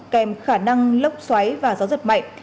kèm khả năng lốc xoáy và gió giật mạnh